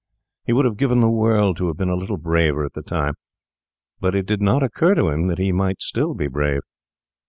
He would have given the world to have been a little braver at the time, but it did not occur to him that he might still be brave.